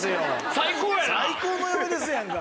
最高の嫁ですやんか。